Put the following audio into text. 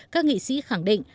các nghị sĩ khẳng định